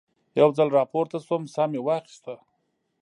یو ځل را پورته شوم، ساه مې واخیسته.